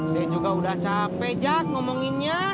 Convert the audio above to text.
saya juga udah capek jak ngomonginnya